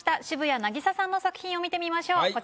渋谷凪咲さんの作品を見てみましょう。